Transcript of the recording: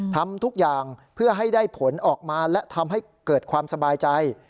ทำทุกอย่างเพื่อให้ได้ผลออกมาและทำให้เกิดความสบายใจ